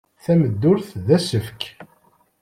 Tameddurt d asefk.